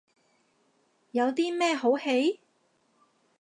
有啲乜好戯？